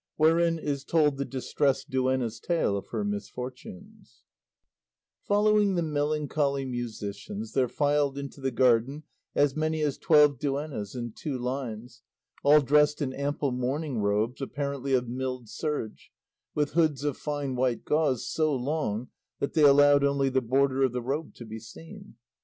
WHEREIN IS TOLD THE DISTRESSED DUENNA'S TALE OF HER MISFORTUNES Following the melancholy musicians there filed into the garden as many as twelve duennas, in two lines, all dressed in ample mourning robes apparently of milled serge, with hoods of fine white gauze so long that they allowed only the border of the robe to be seen.